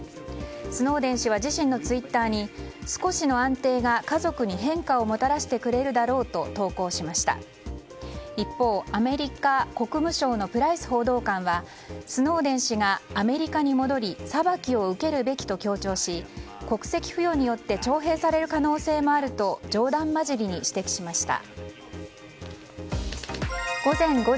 スノーデン氏は自身のツイッターに少しの安定が家族に変化をもたらしてくれるだろうと一方、アメリカ国務省のプライス報道官はスノーデン氏がアメリカに戻り裁きを受けるべきと強調し、国籍付与によって徴兵される可能性もあると冗談交じりに指摘しました。